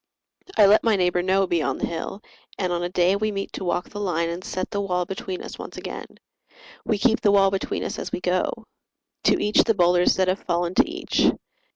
I let my neighbour know beyond the hill; And on a day we meet to walk the line And set the wall between us once again. We keep the wall between us as we go. To each the boulders that have fallen to each.